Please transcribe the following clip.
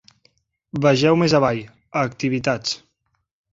Vegeu més avall, a "Activitats".